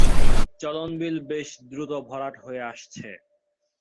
চলন বিল বেশ দ্রুত ভরাট হয়ে আসছে।